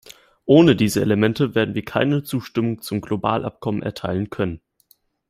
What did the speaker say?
Ohne diese Elemente werden wir keine Zustimmung zum Globalabkommen erteilen können.